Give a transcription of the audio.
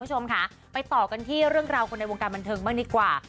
คุณผู้ชมค่ะไปต่อกันที่เรื่องราวคนในวงการบันเทิงบ้างดีกว่า